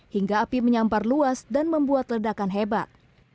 hingga api menyampar luas dan membuat ledakan hebat